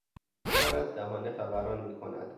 بخار از دهانه فوران میکند.